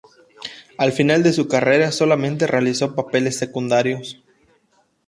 Al final de su carrera solamente realizó papeles secundarios.